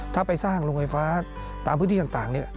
ถ้าไปสร้างโรงไฟฟ้าตามพื้นที่ต่างเนี่ย